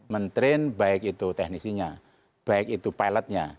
mentrain baik itu teknisinya baik itu pilotnya